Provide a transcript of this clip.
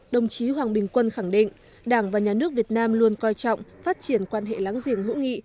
đồng chí hoàng bình quân khẳng định đảng và nhà nước việt nam luôn coi trọng phát triển quan hệ láng giềng hữu nghị